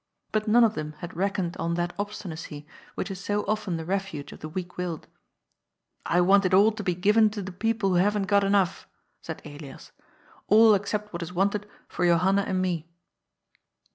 But none of them had reckoned on that obstinacy, which is so often the refuge of the weak willed. " I want it all to be given to the people who haven't got enough," said Elias. " All except what is wanted for Jo "A FOOL AND HIS MONEY." 373 hanna and me.